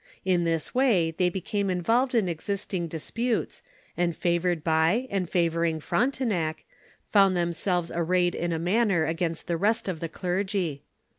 In this way they became involved in existing dis putes, and favored by and favoring Frontenac, found themselves arrayed in a manner against the rest of the clergy.